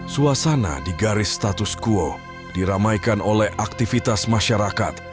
suasana di garis status quo diramaikan oleh aktivitas masyarakat